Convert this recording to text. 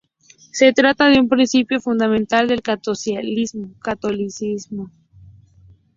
Se trata de un principio fundamental del catolicismo.